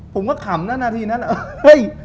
ผมก็ขำนาดนาทีนั้นเอ้ย